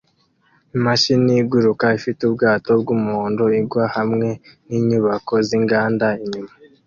Imashini iguruka ifite ubwato bwumuhondo igwa hamwe ninyubako zinganda inyuma